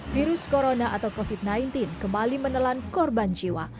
virus corona atau covid sembilan belas kembali menelan korban jiwa